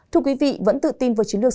thưa quý vị vẫn tự tin với chiến lược